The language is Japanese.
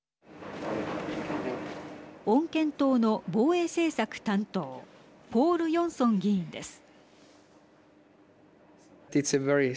穏健党の防衛政策担当ポール・ヨンソン議員です。